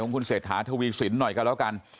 คุณเศรษฐาทวีสินหน่อยกันแล้วกัน